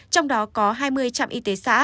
trong đó có hai mươi trạm y tế xã